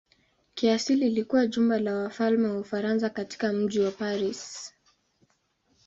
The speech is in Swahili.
Kiasili ilikuwa jumba la wafalme wa Ufaransa katika mji wa Paris.